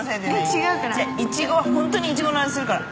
違ういちごはホントにいちごの味するから。